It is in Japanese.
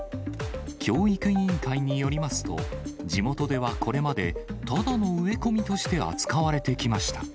教育委員会によりますと、地元ではこれまで、ただの植え込みとして扱われてきました。